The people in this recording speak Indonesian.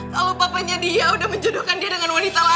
kalau papanya dia udah menjodohkan dia dengan wanita lain